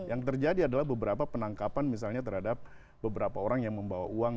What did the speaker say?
yang terjadi adalah beberapa penangkapan misalnya terhadap beberapa orang yang membawa uang